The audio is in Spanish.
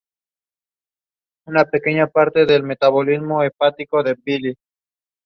Existirían antecedentes de esa Unión.